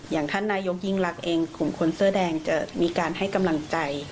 อย่างท่านนายกฤษฎร์หญิงรักเองควรคลุมคนเสื้อแดงจะมีการให้กำลังใจ